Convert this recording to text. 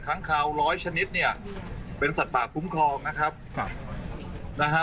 ค้างคาวร้อยชนิดเนี่ยเป็นสัตว์ป่าคุ้มครองนะครับครับนะฮะ